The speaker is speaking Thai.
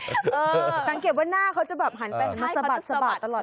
สังเกตว่าหน้าเขาจะแบบหันไปหันมาสะบัดตลอด